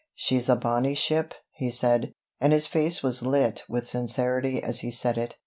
"She's a bonny ship," he said, and his face was lit with sincerity as he said it.